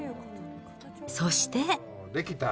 そして。